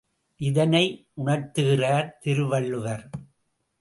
இதனை உணர்த்துகிறார் திருவள்ளுவர்.